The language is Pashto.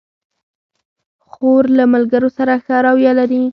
خور له ملګرو سره ښه رویه لري.